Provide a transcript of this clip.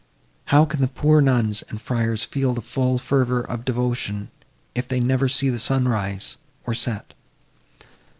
How can the poor nuns and friars feel the full fervour of devotion, if they never see the sun rise, or set?